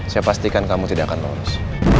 saya pastikan kamu tidak akan lolos